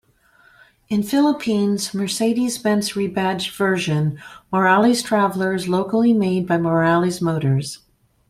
In Philippines, Mercedes-Benz rebadged version, Morales Traveller is locally made by Morales Motors.